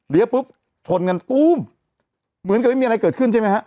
เดี๋ยวปุ๊บชนกันตู้มเหมือนกับไม่มีอะไรเกิดขึ้นใช่ไหมฮะ